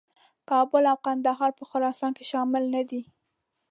کابل او کندهار په خراسان کې شامل نه دي.